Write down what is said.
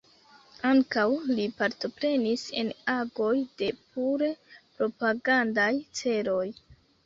Ankaŭ li partoprenis en agoj de pure propagandaj celoj.